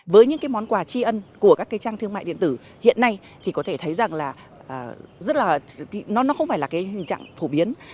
với những món quà tri ân của các trang thương mại điện tử hiện nay thì có thể thấy rằng là nó không phải là hình trạng phổ biến